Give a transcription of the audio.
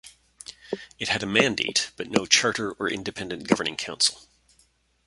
It had a mandate but no charter or independent governing council.